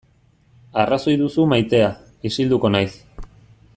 Arrazoi duzu maitea, isilduko naiz.